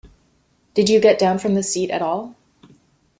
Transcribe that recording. Did you get down from the seat at all?